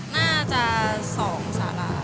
น่าจะ๒สารา